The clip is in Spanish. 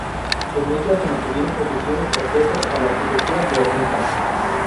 En ella se mantuvieron posiciones opuestas a la arquitectura modernista.